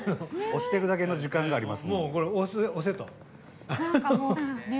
押してるだけの時間がありますもんね。